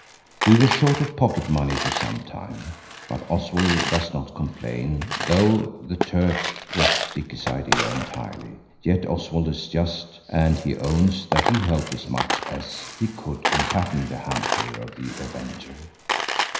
We were short of pocket money for some time, but Oswald does not complain, though the Turk was Dicky's idea entirely. Yet Oswald is just, and he owns that he helped as much as he could in packing the Hamper of the Avenger.